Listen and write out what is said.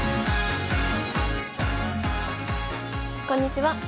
こんにちは。